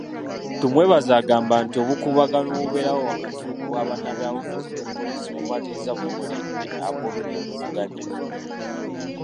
Tumwebaze agamba nti obukuubagano obubeerawo wakati wa bannabyabufuzi ne poliisi bumaliriza bukoledde ab'oludda oluvuganya.